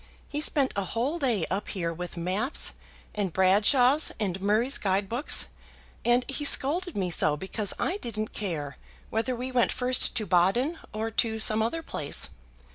He spent a whole day up here with maps and Bradshaw's and Murray's guide books, and he scolded me so because I didn't care whether we went first to Baden or to some other place.